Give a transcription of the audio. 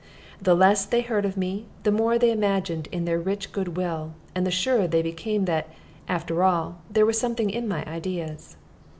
The less they heard of me, the more they imagined in their rich good will, and the surer they became that, after all, there was something in my ideas.